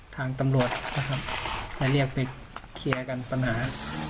ทางตำรวจนะครับได้เรียกไปเคลียร์กันปัญหา